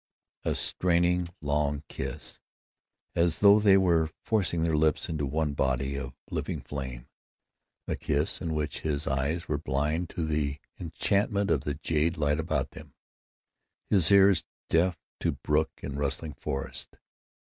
A straining long kiss, as though they were forcing their lips into one body of living flame. A kiss in which his eyes were blind to the enchantment of the jade light about them, his ears deaf to brook and rustling forest.